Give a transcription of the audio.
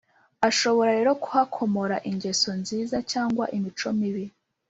Ashobora rero kuhakomora ingeso nziza cyangwa imico mibi